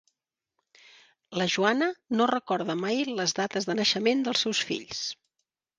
La Joana no recorda mai les data de naixement dels seus fills.